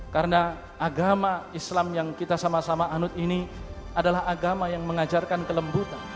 karena agama islam yang kita sama sama anut ini adalah agama yang mengajarkan kelembutan